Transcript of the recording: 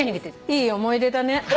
いい思い出だね。